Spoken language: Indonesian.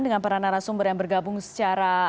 dengan para narasumber yang bergabung secara